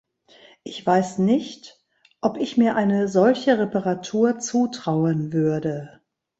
Ich weiß nicht, ob ich mir eine solche Reparatur zutrauen würde.